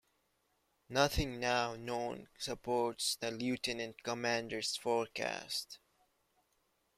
Nothing now known supports the Lieutenant Commander's forecast.